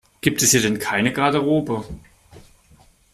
Gibt es hier denn keine Garderobe?